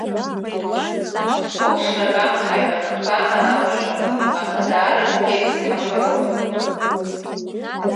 Сқәыԥшра камҳаит ахқәа анақәшәа, аха дааракгьы ицҳафыруам.